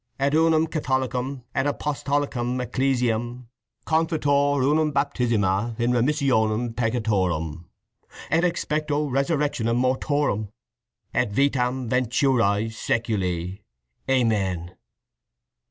_ "_Et unam Catholicam et Apostolicam Ecclesiam. Confiteor unum Baptisma in remissionem peccatorum. Et exspecto Resurrectionem mortuorum. Et vitam venturi saeculi. Amen.